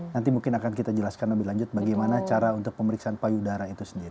nanti mungkin akan kita jelaskan lebih lanjut bagaimana cara untuk pemeriksaan payudara itu sendiri